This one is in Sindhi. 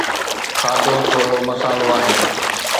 کاڌو ٿورڙو مصالحو آهي